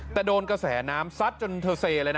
แต่โดนกระแสน้ำซัดจนเธอเซเลยนะ